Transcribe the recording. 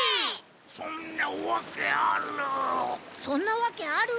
そんなわけある。